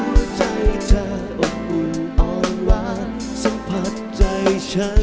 หัวใจเธออบอุ่นอ่อนหวานสัมผัสใจฉัน